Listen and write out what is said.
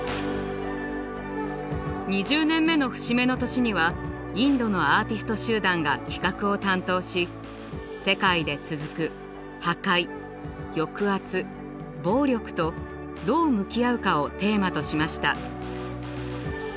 ２０年目の節目の年にはインドのアーティスト集団が企画を担当し世界で続く破壊抑圧暴力とどう向き合うかをテーマとしました。